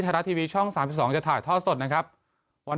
ไทยรัฐทีวีช่องสามสิบสี่สองจะถ่ายทอดสดนะครับวัน